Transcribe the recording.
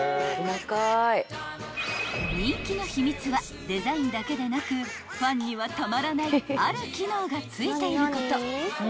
［人気の秘密はデザインだけでなくファンにはたまらないある機能が付いていること］